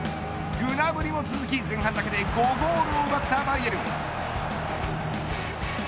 グナブリも続き、前半だけで５ゴールを奪ったバイエルン。